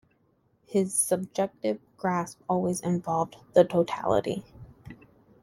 His subjective grasp always involved the totality.